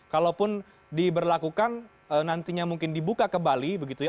kalaupun diberlakukan nantinya mungkin dibuka kembali begitu ya